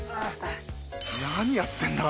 何やってんだ？